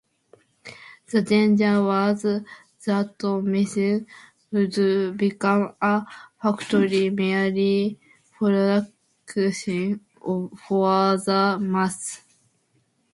The danger was that Meissen would become a factory merely producing for the masses.